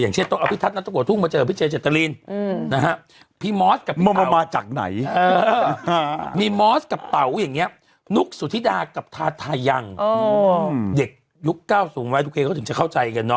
อย่างเงี้ยนุกสุธิดากับทาทายังโอ้อืมเด็กยุคเก้าสูงวันไทยทุกเครียงเขาถึงจะเข้าใจกันเนอะ